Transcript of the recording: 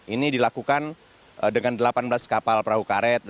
ini dilakukan dengan delapan belas kapal perahu karet